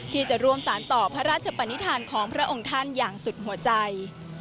ที่จะร่วมสารต่อพระราชปนิษฐานของพระองค์ท่านอย่างสุดหัวใจ